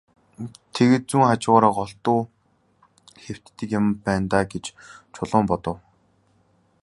Тэгээд зүүн хажуугаараа голдуу хэвтдэг юм байна даа гэж Чулуун бодов.